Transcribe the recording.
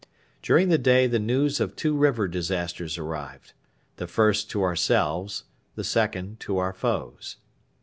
During the day the news of two river disasters arrived the first to ourselves, the second to our foes.